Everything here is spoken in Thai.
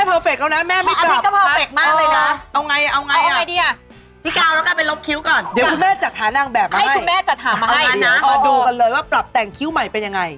โอ้ยดีไหม